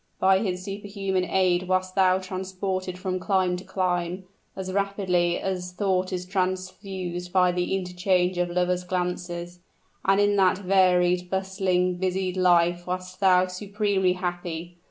By his superhuman aid wast thou transported from clime to clime as rapidly as thought is transfused by the interchange of lovers' glances; and in that varied, bustling, busied life wast thou supremely happy.